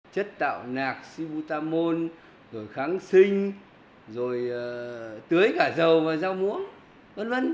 chất tạo nạc xiputamol kháng sinh tưới cả dầu và rau muỗng v v